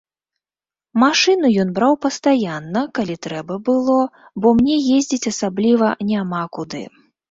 Машыну ён браў пастаянна, калі трэба было, бо мне ездзіць асабліва няма куды.